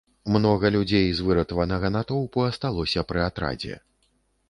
Многа людзей з выратаванага натоўпу асталося пры атрадзе.